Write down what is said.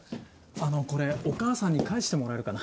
あのこれお母さんに返してもらえるかな。